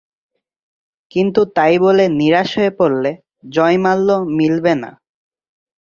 কিন্তু তাই বলে নিরাশ হয়ে পড়লে জয়মাল্য মিলবে না।